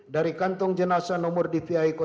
dari kantong jenazah nomor dvi